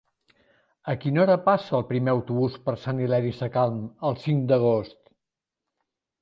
A quina hora passa el primer autobús per Sant Hilari Sacalm el cinc d'agost?